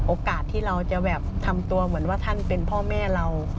โอกาสที่เราจะแบบทำตัวเหมือนว่าท่านเป็นพ่อแม่เรา